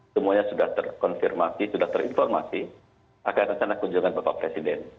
semuanya sudah terkonfirmasi sudah terinformasi akan rencana kunjungan bapak presiden